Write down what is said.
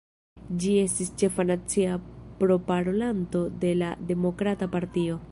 Ĝi estis ĉefa nacia proparolanto de la Demokrata Partio.